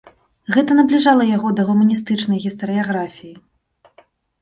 Гэта набліжала яго да гуманістычнай гістарыяграфіі.